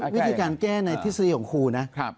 วิธีการแก้ในทฤษฎีของครูนะ